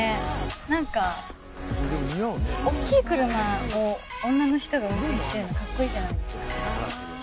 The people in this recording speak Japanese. なんか、大きい車を女の人が運転してるの、かっこいいじゃないですか。